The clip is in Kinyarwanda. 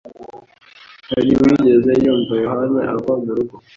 Hari uwigeze yumva Yohana ava mu rugo?